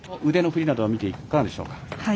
腕の振りなど見ていかがでしょうか？